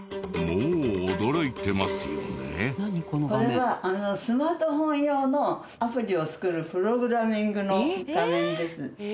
これはスマートフォン用のアプリを作るプログラミングの画面です。